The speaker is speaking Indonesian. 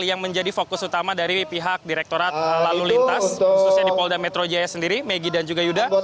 yang menjadi fokus utama dari pihak direktorat lalu lintas khususnya di polda metro jaya sendiri maggie dan juga yuda